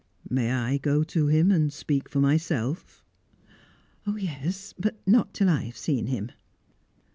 "May I go to him, and speak for myself?" "Yes but not till I have seen him."